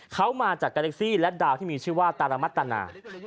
เขามาจากเกรกสี่และดาวที่มีชื่อว่าตาละมตนา